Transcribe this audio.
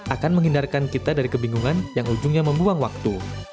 akan menghindarkan kita dari kebingungan yang ujungnya membuang waktu